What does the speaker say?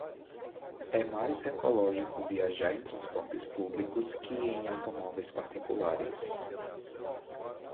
É mais ecológico viajar em transportes públicos que em automóveis particulares.